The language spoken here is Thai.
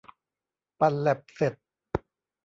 ปั่นแล็บเสร็จ